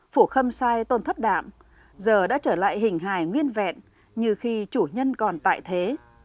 phủ khâm sai tôn thất đạm giờ đã trở lại hình hài nguyên vẹn như khi chủ nhân còn tại thế